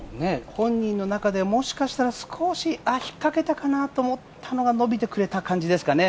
本人の中でもしかしたらああ、少し引っかけたなと思ったのが伸びてくれた感じですかね